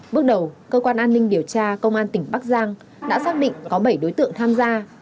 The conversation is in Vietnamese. bước đầu cơ quan an ninh điều tra công an tỉnh bắc giang đã xác định có bảy đối tượng tham gia